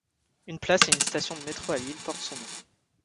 Une place et une station de métro à Lille portent son nom.